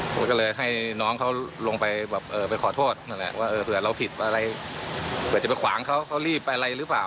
ก็เลยให้น้องเขาลงไปขอโทษว่าเผื่อเราผิดอะไรเผื่อจะไปขวางเขาเขารีบอะไรหรือเปล่า